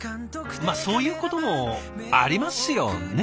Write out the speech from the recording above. まあそういうこともありますよね？